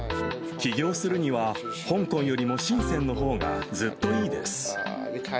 起業するには、香港よりも深せんのほうがずっといいです。